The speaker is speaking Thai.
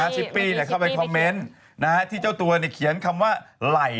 ซิปปี้เข้าไปคอมเมนต์ที่เจ้าตัวเขียนคำว่าไหล่